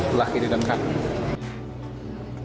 belah kiri dan kanan